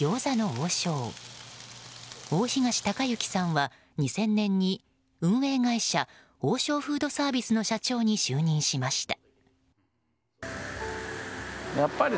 大東隆行さんは、２０００年に運営会社王将フードサービスの社長に就任しました。